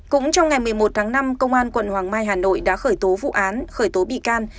cũng trong ngày một mươi một tháng năm công an quận hoàng mai hà nội đã khởi tố vụ án khởi tố bị can